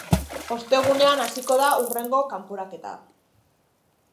Ostegunean hasiko da hurrengo kanporaketa.